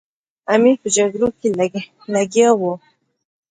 امیر په جګړو کې لګیا وو.